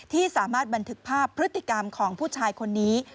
ที่สามารถบันทึกภาพพฤติกรรมของผู้ชายคนนี้